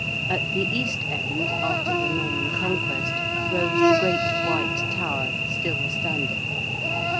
At the East End after the Norman Conquest rose the Great White Tower still standing.